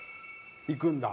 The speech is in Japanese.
いくんだ。